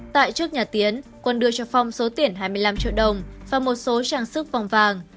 tại trước nhà tiến quân đưa cho phong số tiền hai mươi năm triệu đồng và một số trang sức vòng vàng